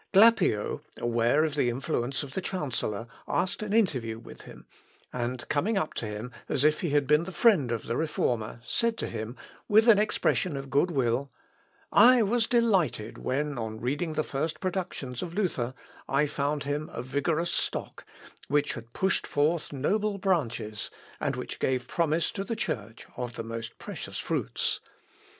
Glapio, aware of the influence of the chancellor, asked an interview with him; and coming up to him as if he had been the friend of the Reformer, said to him, with an expression of good will, "I was delighted when, on reading the first productions of Luther, I found him a vigorous stock, which had pushed forth noble branches, and which gave promise to the Church of the most precious fruits.